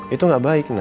itu enggak baik na